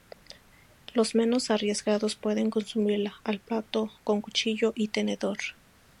Los menos arriesgados pueden consumirla "al plato" con cuchillo y tenedor.